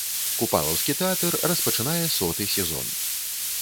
Купалаўскі тэатр распачынае соты сезон.